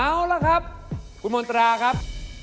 เอาละครับคุณมนตราครับ